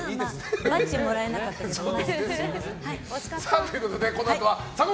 バッジもらえなかったけどね。